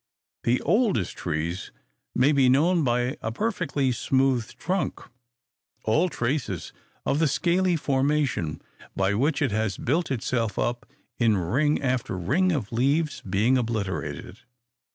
The oldest trees may be known by a perfectly smooth trunk; all traces of the scaly formation by which it has built itself up in ring after ring of leaves being obliterated.